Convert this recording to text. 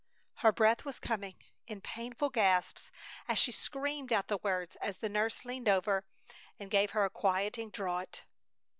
Her breath was coming in painful gasps as she screamed out the words as the nurse leaned over and gave her a quieting draught.